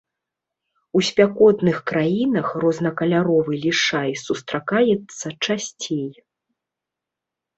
У спякотных краінах рознакаляровы лішай сустракаецца часцей.